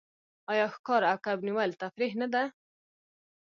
آیا ښکار او کب نیول تفریح نه ده؟